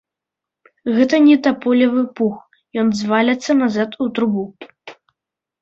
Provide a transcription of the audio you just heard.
Гэта не таполевы пух, ён зваліцца назад у трубу.